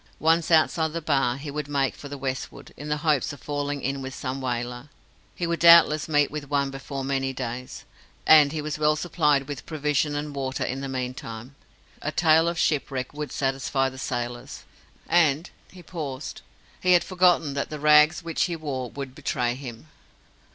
Once outside the Bar, he would make for the westward, in the hopes of falling in with some whaler. He would doubtless meet with one before many days, and he was well supplied with provision and water in the meantime. A tale of shipwreck would satisfy the sailors, and he paused he had forgotten that the rags which he wore would betray him.